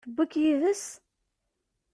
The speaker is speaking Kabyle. Tewwi-k yid-s?